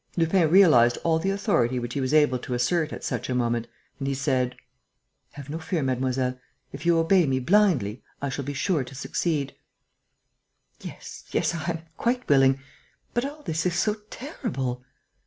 Lupin realized all the authority which he was able to assert at such a moment, and he said: "Have no fear, mademoiselle. If you obey me blindly, I shall be sure to succeed." "Yes ... yes ... I am quite willing ... but all this is so terrible...."